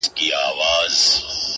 په هغه ورځ خدای ته هيڅ سجده نه ده کړې;